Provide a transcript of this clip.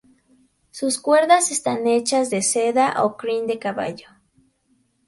Sus cuerdas están hechas de seda o crin de caballo.